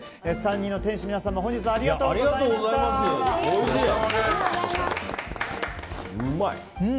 ３人の店主の皆さんも本日はありがとうございました。